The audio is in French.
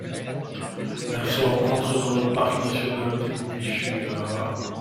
Elle se rencontre dans le parc national de Núi Chúa.